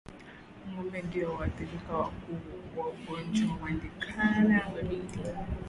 Ngombe ndio waathirika wakuu wa ugonjwa wa ndigana baridi